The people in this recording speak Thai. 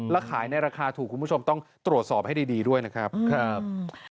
แล้วขายในราคาถูกคุณผู้ชมต้องตรวจสอบให้ดีด้วยนะครับ